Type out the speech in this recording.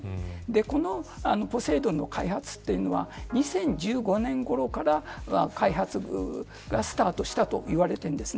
このポセイドンの開発というのは２０１５年ごろから開発がスタートしたと言われているんです。